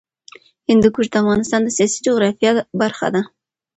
هندوکش د افغانستان د سیاسي جغرافیه برخه ده.